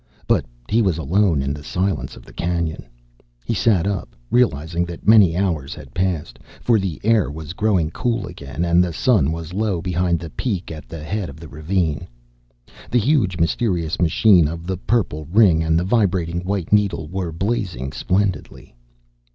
But he was alone in the silence of the canyon. He sat up, realizing that many hours had passed, for the air was growing cool again, and the sun was low behind the peak at the head of the ravine. The huge, mysterious machine of the purple ring and the vibrating white needle were blazing splendidly.